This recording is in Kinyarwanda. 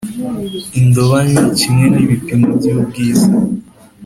indobanywa kimwe n ibipimo by ubwiza